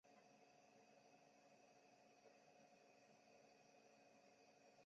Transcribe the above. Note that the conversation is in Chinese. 短辐水芹是伞形科水芹属的植物。